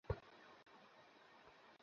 বিশু, কী হচ্ছে এসব?